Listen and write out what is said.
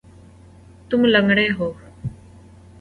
تم لنگڑے ہو